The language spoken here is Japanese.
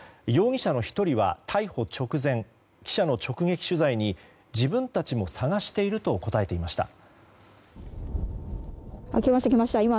容疑者の１人は逮捕直前記者の直撃取材に自分たちも捜していると答えていました。来ました。